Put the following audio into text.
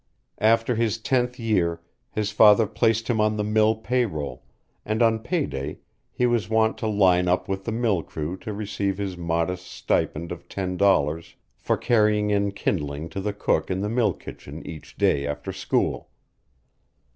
After his tenth year his father placed him on the mill pay roll, and on payday he was wont to line up with the mill crew to receive his modest stipend of ten dollars for carrying in kindling to the cook in the mill kitchen each day after school.